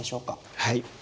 はい。